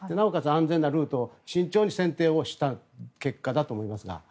安全なルートを慎重に選定をした結果だと思いますが。